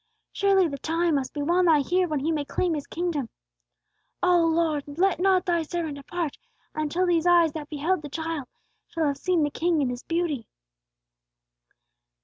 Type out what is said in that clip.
Surely the time must be well nigh here when He may claim His kingdom. O Lord, let not Thy servant depart until these eyes that beheld the Child shall have seen the King in His beauty!"